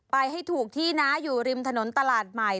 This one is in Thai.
ไปให้ถูกที่นะอยู่ริมถนนตลาดใหม่